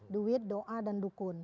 duit doa dan dukun